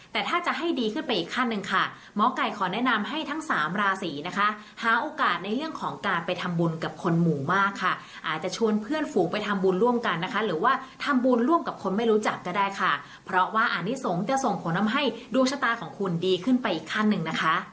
แต่ถ้าจะให้ดีขึ้นไปอีกขั้นหนึ่งค่ะหมอไก่ขอแนะนำให้ทั้งสามราศีนะคะหาโอกาสในเรื่องของการไปทำบุญกับคนหมู่มากค่ะอาจจะชวนเพื่อนฝูงไปทำบุญร่วมกันนะคะหรือว่าทำบุญร่วมกับคนไม่รู้จักก็ได้ค่ะเพราะว่าอันนี้สงฆ์จะส่งผลทำให้ดวงชะตาของคุณดีขึ้นไปอีกขั้นหนึ่งนะคะ